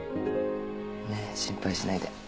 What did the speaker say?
ねっ心配しないで。